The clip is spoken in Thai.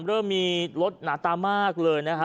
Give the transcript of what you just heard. เริ่มมีรถหนาตามากเลยนะฮะ